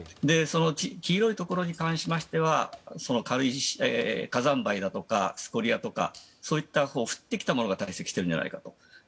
黄色いところに関しましては火山灰やスコリアとかそういった降ってきたものが堆積しているんじゃないかと。